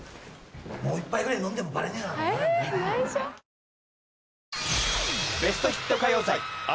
もう１杯ぐらい飲んでもバレねえだろ。